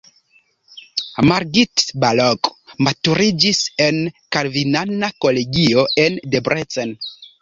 Margit Balog maturiĝis en kalvinana kolegio en Debrecen.